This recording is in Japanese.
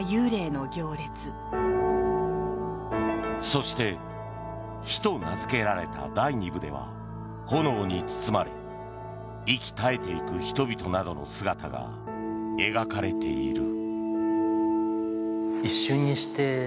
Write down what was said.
そして「火」と名付けられた第２部では炎に包まれ息絶えていく人々などの姿が描かれている。